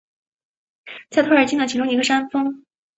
在托尔金的其中一个山峰。